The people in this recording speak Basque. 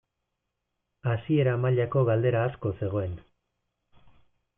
Hasiera mailako galdera asko zegoen.